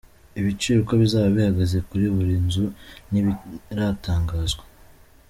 Ibiciro uko bizaba bihagaze kuri buri nzu ntibiratangazwa.